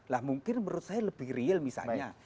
lah mungkin menurut saya lebih real misalnya